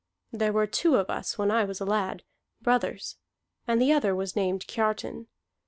There were two of us when I was a lad, brothers; and the other was named Kiartan.